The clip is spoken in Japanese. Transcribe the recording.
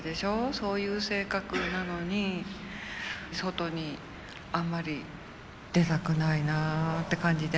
そういう性格なのに外にあんまり出たくないなって感じで。